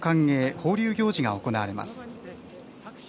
・放流行事が行われます。